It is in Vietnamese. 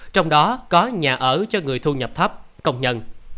trong đó có nhà ở cho người thu nhập thấp công nhân